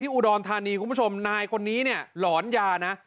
อุดรธานีคุณผู้ชมนายคนนี้เนี่ยหลอนยานะ